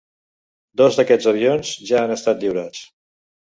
Dos d'aquests avions ja han estat lliurats.